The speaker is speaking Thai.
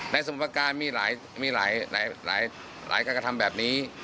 สมประการมีหลายการกระทำแบบนี้